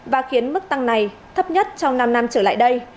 và khiến mức tăng này thấp nhất trong năm năm trở lại đây